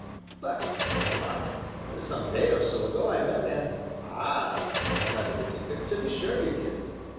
"But," said I, "some day or so ago I met a man " "Ah!" nodded the Tinker, "to be sure you did."